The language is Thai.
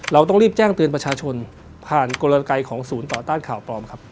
เราต้องรีบแจ้งเตือนประชาชนผ่านกลไกของศูนย์ต่อต้านข่าวปลอมครับ